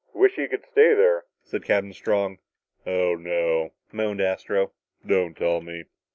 "Wish you could stay there," said Captain Strong. "Oh, no!" moaned Astro. "Don't tell me!"